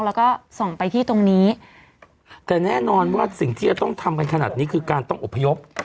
แล้วก็ส่องไปที่ตรงนี้แต่แน่นอนว่าสิ่งที่จะต้องทำกันขนาดนี้คือการต้องอบพยพ